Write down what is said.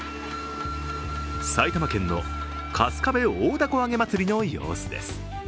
埼玉県の春日部大凧あげ祭りの様子です。